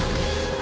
あ！